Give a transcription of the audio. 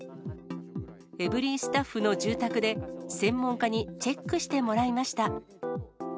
エブリィスタッフの住宅で、専門家にチェックしてもらいました。